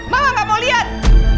mama gak mau lihat